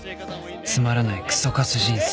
つまらないクソカス人生